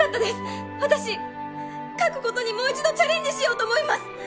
私書く事にもう一度チャレンジしようと思います！